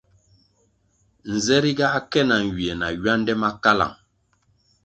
Nze ri ga ke na nywie na ywande ma kalang.